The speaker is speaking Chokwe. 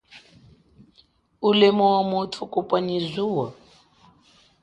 Ulemu wa muthu kupwa nyi zuwo.